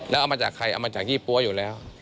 แล้วเอามาจากใครเอามาจากยี่ปั๊วอยู่แล้ว